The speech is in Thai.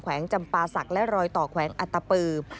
วงจำปาศักดิ์และรอยต่อแขวงอัตปือ